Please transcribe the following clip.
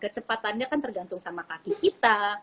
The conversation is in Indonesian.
kecepatannya kan tergantung sama kaki kita